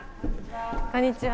こんにちは。